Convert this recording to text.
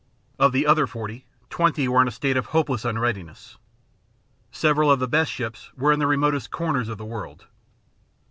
Of the other forty, twenty were in a state of hopeless unreadiness. Several of the best ships were in the remotest corners of the world.